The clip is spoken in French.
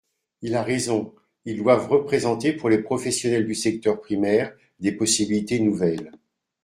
Il a raison ! Ils doivent représenter pour les professionnels du secteur primaire des possibilités nouvelles.